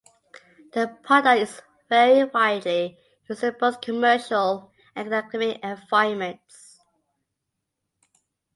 The product is very widely used in both commercial and academic environments.